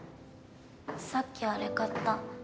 さっきあれ買った。